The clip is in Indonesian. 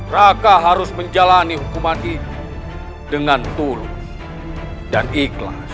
raka harus menjalani hukuman itu dengan tulus dan ikhlas